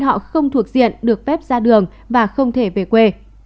họ không thuộc diện được phép ra đường và không thể về quê